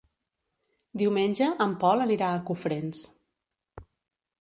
Diumenge en Pol anirà a Cofrents.